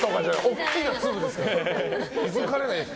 大きな粒ですから。